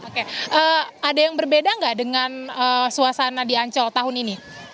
oke ada yang berbeda nggak dengan suasana di ancol tahun ini